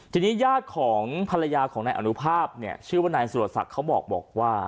ทีนี้ญาติของภรรยาของนายอนุภาพเนี่ยชื่อว่านายสุรศักดิ์เขาบอกว่า